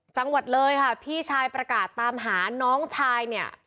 จังหวัดเลยค่ะพี่ชายประกาศตามหาน้องชายเนี่ย